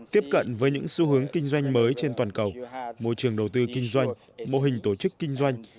tiếp cận với những xu hướng kinh doanh mới trên toàn cầu môi trường đầu tư kinh doanh mô hình tổ chức kinh doanh